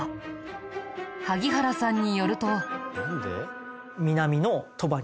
萩原さんによると。